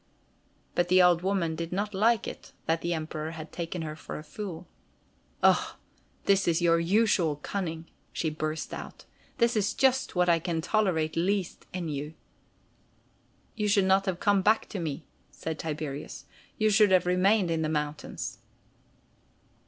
But the old woman did not like it that the Emperor had taken her for a fool. "Ah! this is your usual cunning," she burst out. "This is just what I can tolerate least in you." "You should not have come back to me," said Tiberius. "You should have remained in the mountains."